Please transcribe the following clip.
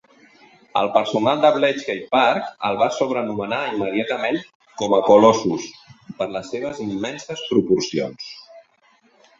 El personal de Bletchley Park el va sobrenomenar immediatament com a "Colossus" per les seves immenses proporcions.